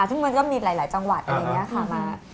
ซึ่งมันก็มีหลายจังหวัดอะไรอย่างนี้ค่ะมา